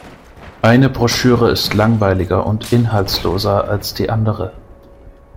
Eine Broschüre ist langweiliger und inhaltsloser als die andere.